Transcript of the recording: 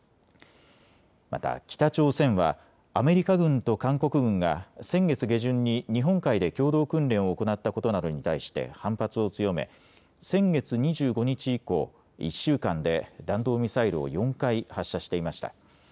また北朝鮮はアメリカ軍と韓国軍が先月下旬に日本海で共同訓練を行ったことなどに対して反発を強め先月２５日以降、１週間で弾道ミサイルを４回発射していました。